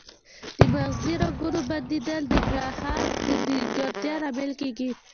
د مغزي رګونو بندیدل د ګړهار د نیمګړتیا لامل کیږي